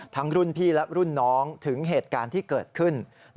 รุ่นพี่และรุ่นน้องถึงเหตุการณ์ที่เกิดขึ้น